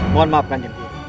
mohon maafkan kajengku